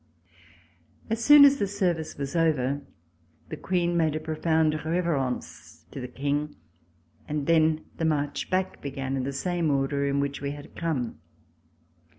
As soon as the service was over, the Queen made a profound reverence to the King, and then the march back began in the same order in which we had come.